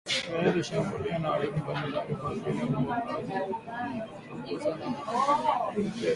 viazi hushambuliwa na wadudu mbalimbali kama vile mbawa kavu fukusi na vipepeo